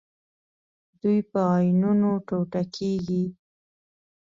دوی په آیونونو ټوټه کیږي.